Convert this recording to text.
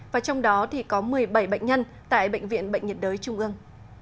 và trong đó thì có một mươi bảy bệnh nhân tại bệnh viện bệnh nhiệt đới trung ương